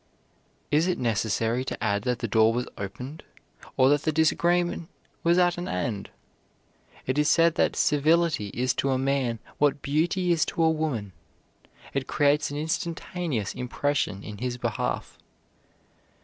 Is it necessary to add that the door was opened, or that the disagreement was at an end? It is said that civility is to a man what beauty is to a woman: it creates an instantaneous impression in his behalf.